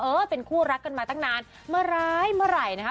เออเป็นคู่รักกันมาตั้งนานมาร้ายเมื่อไหร่นะคะ